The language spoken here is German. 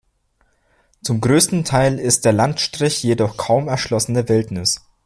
Zum größten Teil ist der Landstrich jedoch kaum erschlossene Wildnis.